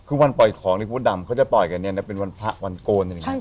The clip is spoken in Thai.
คือวันปล่อยของที่คุณพระดำเขาจะปล่อยกันเนี่ยนะเป็นวันพระวันโกนอะไรอย่างนี้